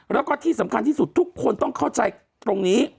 แล้วก็ที่สำคัญที่สุดทุกคนต้องเข้าใจตรงนี้